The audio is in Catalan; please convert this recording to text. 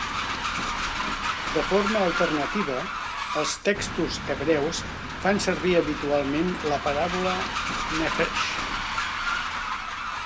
De forma alternativa, els textos hebreus fan servir habitualment la paraula "nephesh".